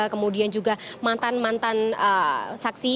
kemudian juga mantan mantan saksi